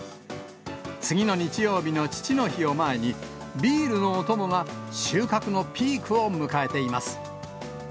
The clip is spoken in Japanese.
次の日曜日の父の日を前に、ビールのお供が収穫のピークを迎えています。